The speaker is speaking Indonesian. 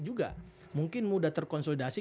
juga mungkin mudah terkonsolidasi